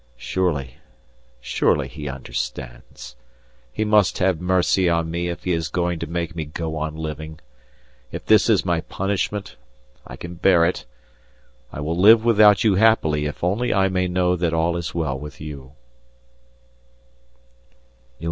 Surely, surely He understands. He must have mercy on me if He is going to make me go on living. If this is my punishment, I can bear it; I will live without you happily if only I may know that all is well with you.